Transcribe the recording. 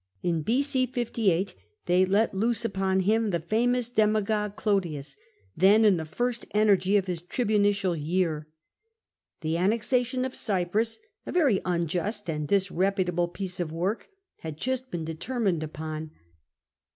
In B.c. 58 they let loose upon him the famous demagogue Clodius, then in the first energy of his tribunicial year. The annexation of Cyprus, a very unjust and disreputable piece of work, had just been determined upon.